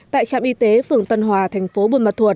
tại trạm y tế phường tân hòa thành phố bươn mật thuột